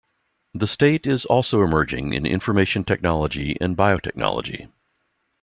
The state is also emerging in information technology and biotechnology.